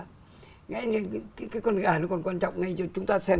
cái con gà nó còn quan trọng ngay cho chúng ta xem